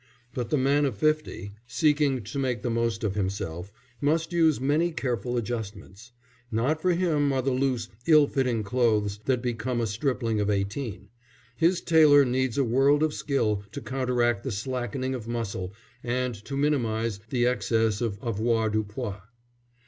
But the man of fifty, seeking to make the most of himself, must use many careful adjustments. Not for him are the loose, ill fitting clothes that become a stripling of eighteen; his tailor needs a world of skill to counteract the slackening of muscle and to minimize the excess of avoirdupois.